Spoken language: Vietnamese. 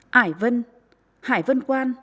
hải vân hải vân quan